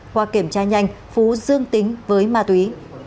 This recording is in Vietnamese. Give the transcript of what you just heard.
qua kiểm tra nhanh phú dương tính với ma túy